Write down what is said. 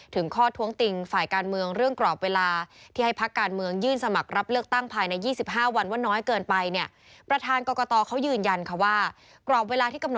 ถึงข้อท้วงติ่งฝ่ายการเมืองเรื่องกรอบเวลา